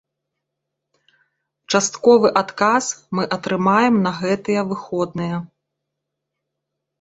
Частковы адказ мы атрымаем на гэтыя выходныя.